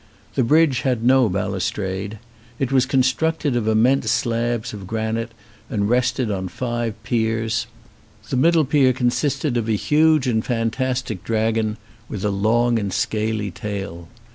The bridge had no balus trade. It was constructed of immense slabs of granite and rested on five piers; the middle pier consisted of a huge and fantastic dragon with a 207 ON A CHINESE SCREEN long and scaly tail.